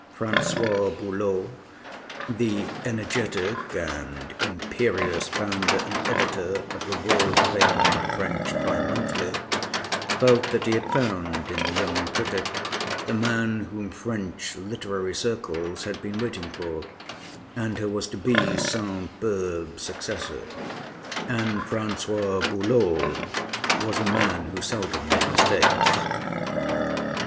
François Buloz, the energetic and imperious founder and editor of the world famed French bi monthly, felt that he had found in the young critic the man whom French literary circles had been waiting for, and who was to be Sainte Beuve's successor; and François Buloz was a man who seldom made mistakes.